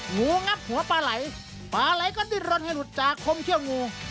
หงูงับหัวปลาไหลปลาไหลก็ได้รนให้หลุดจากครมเชื่องงู